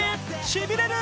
しびれる！